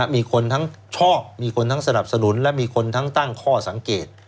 มีคนทั้งชอบมีคนทั้งสนับสนุนและมีคนทั้งตั้งข้อสังเกต